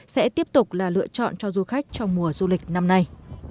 sẽ tiếp tục là lựa chọn cho du khách trong mùa du lịch năm nay